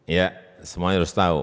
ya semuanya harus tahu